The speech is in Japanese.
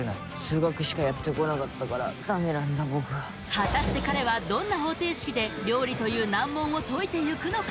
果たして彼はどんな方程式で料理という難問を解いていくのか。